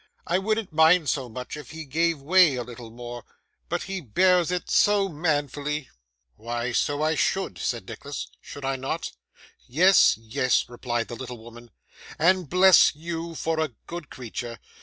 I wouldn't mind so much if he gave way a little more; but he bears it so manfully.' 'Why, so I should,' said Nicholas, 'should I not?' 'Yes, yes,' replied the little woman, 'and bless you for a good creature!